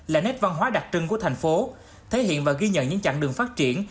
là nét văn hóa đặc trưng của thành phố thể hiện và ghi nhận những chặng đường phát triển